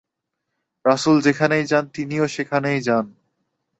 রাসূল যেখানেই যান তিনিও সেখানেই যান।